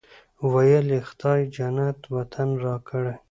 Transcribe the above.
ویل یې خدای جنت وطن راکړی.